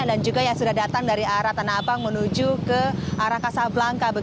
dan juga yang sudah datang dari arah tanah abang menuju ke arah kasab langka